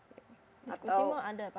diskusi mau ada pasti ya